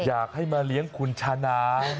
อยากให้มาเลี้ยงคุณชนะ